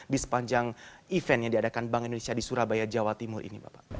di sepanjang event yang diadakan bank indonesia di surabaya jawa timur ini bapak